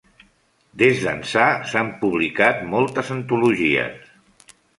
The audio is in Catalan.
Des d'ençà, s'han publicat moltes antologies.